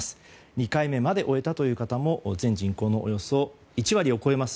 ２回目まで終えたという方も全人口のおよそ１割を超えます